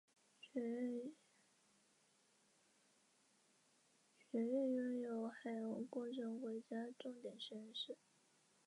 联合公用事业集团是英国最大的水务公司。